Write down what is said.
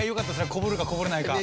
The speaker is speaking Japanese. こぼれるかこぼれないか。